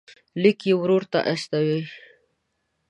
لیک یې ورور ته استوي.